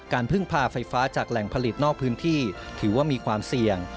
พึ่งพาไฟฟ้าจากแหล่งผลิตนอกพื้นที่ถือว่ามีความเสี่ยง